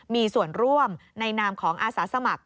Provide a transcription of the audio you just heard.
มีส่วนร่วมในนามของอาสาสมัคร